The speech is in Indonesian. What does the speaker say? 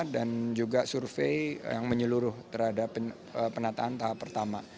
dan juga survei yang menyeluruh terhadap penataan tahap pertama